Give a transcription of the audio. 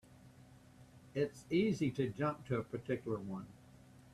It's easy to jump to a particular one.